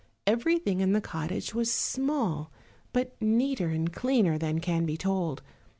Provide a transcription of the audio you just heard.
Everything in the cottage was small, but neater and cleaner than can be told.